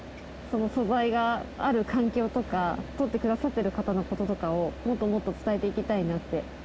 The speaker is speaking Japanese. その素材がある環境とかとってくださってる方の事とかをもっともっと伝えていきたいなって。